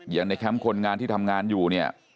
ในแคมป์คนงานที่ทำงานอยู่เนี่ย